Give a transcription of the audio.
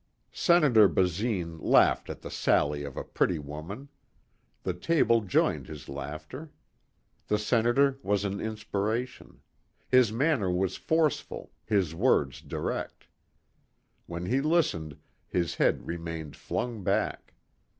Senator Basine laughed at the sally of a pretty woman. The table joined his laughter. The senator was an inspiration. His manner was forceful, his words direct. When he listened his head remained flung back.